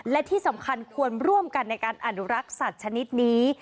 และที่สำคัญควรร่วมกันในการอนุรักษ์สัตว์ชนิดนี้